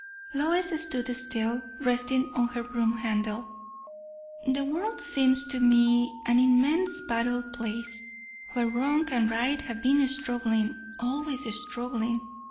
Lois stood still, resting on her broom handle. "The world seems to me an immense battle place, where wrong and right have been struggling; always struggling.